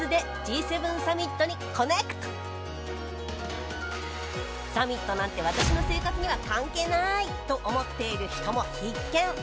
今夜はサミットなんて私の生活には関係ないと思っている人も必見！